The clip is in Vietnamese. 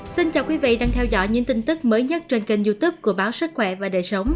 xin chào quý vị đang theo dõi những tin tức mới nhất trên kênh youtube của báo sức khỏe và đời sống